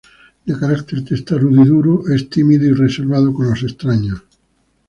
De carácter testarudo y duro es tímido y reservado con los extraños.